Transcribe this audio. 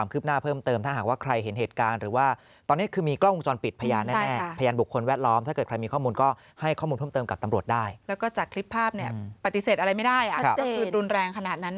คือได้แค่แช้ชี้บอกชี้แล้วก็เป็นอย่างช้าด้งนั้น